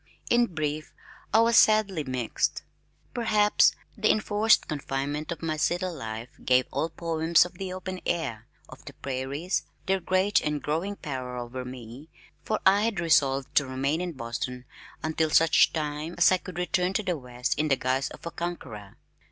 In brief I was sadly "mixed." Perhaps the enforced confinement of my city life gave all poems of the open air, of the prairies, their great and growing power over me for I had resolved to remain in Boston until such time as I could return to the West in the guise of a conqueror.